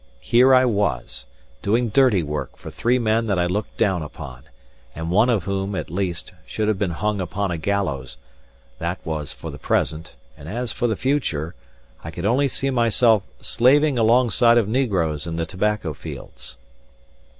Here I was, doing dirty work for three men that I looked down upon, and one of whom, at least, should have hung upon a gallows; that was for the present; and as for the future, I could only see myself slaving alongside of negroes in the tobacco fields.